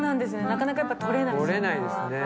なかなかやっぱ撮れないんですね。